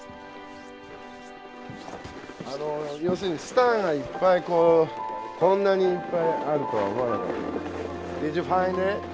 要するにスターがいっぱいこんなにいっぱいあるとは思わなかった。